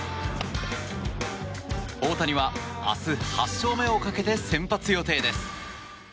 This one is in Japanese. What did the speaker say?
大谷は明日、８勝目をかけて先発予定です。